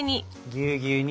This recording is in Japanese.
ぎゅうぎゅうに。